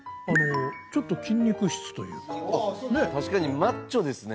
ちょっと筋肉質というか確かにマッチョですね